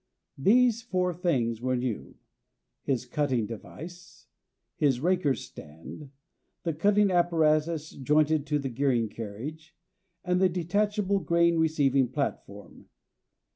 These four things were new: His cutting device; His raker's stand; The cutting apparatus jointed to the gearing carriage; and the Detachable grain receiving platform.